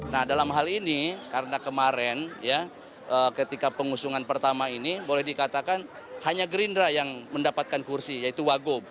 nah dalam hal ini karena kemarin ya ketika pengusungan pertama ini boleh dikatakan hanya gerindra yang mendapatkan kursi yaitu wagub